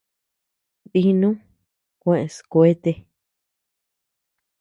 Dinuu kuʼes kuete.